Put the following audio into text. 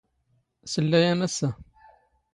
ⵙⵍⵍⴰ ⴰ ⵎⴰⵙⵙⴰ.